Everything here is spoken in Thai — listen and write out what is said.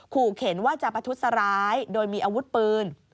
ขู่เข็นว่าจะประทุษร้ายโดยมีอาวุธปืน